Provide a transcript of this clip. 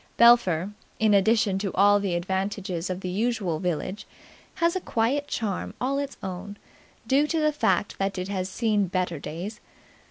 Belpher, in addition to all the advantages of the usual village, has a quiet charm all its own, due to the fact that it has seen better days.